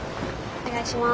お願いします。